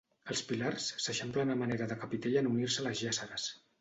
Els pilars s'eixamplen a manera de capitell en unir-se a les jàsseres.